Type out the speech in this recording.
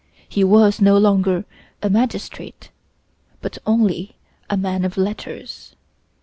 He was no longer a magistrate, but only a man of letters.